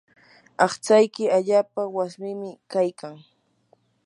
aqtsayki allaapa wiswimim kaykan.